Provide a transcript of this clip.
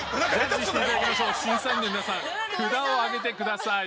審査員の皆さん札を上げてください。